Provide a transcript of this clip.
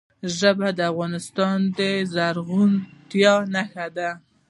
ژبې د افغانستان د زرغونتیا نښه ده.